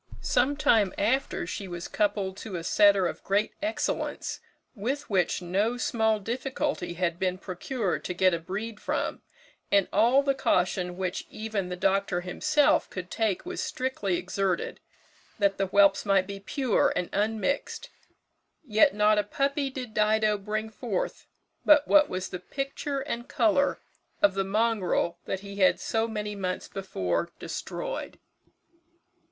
Some time after she was coupled to a setter of great excellence, which with no small difficulty had been procured to get a breed from, and all the caution which even the doctor himself could take was strictly exerted, that the whelps might be pure and unmixed; yet not a puppy did Dido bring forth but what was the picture and colour of the mongrel that he had so many months before destroyed.